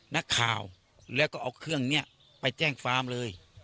นักข่าวแล้วก็เอาเครื่องนี้ไปแจ้งฟาร์มเลย